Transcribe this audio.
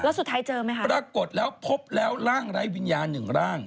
แล้วสุดท้ายเจอไหมคะปรากฏแล้วพบแล้วร่างไร้วิญญาณหนึ่งร่าง